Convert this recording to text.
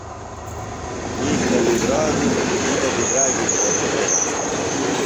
مِیش تہ بِدراگوۡ نیۡ بہ بِدراگی گھوݜٹہ تھےۡ یھاندہ۔